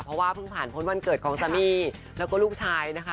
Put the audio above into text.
เพราะว่าเพิ่งผ่านพ้นวันเกิดของสามีแล้วก็ลูกชายนะคะ